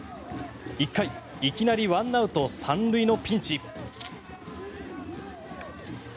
１回いきなり１アウト３塁のピンチ。